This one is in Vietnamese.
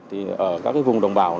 thì ở các vùng đồng bào